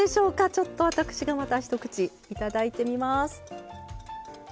ちょっと私がまた一口いただいてみます。